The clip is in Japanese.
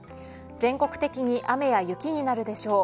全国的に雨や雪になるでしょう。